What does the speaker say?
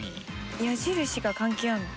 矢印が関係あんの？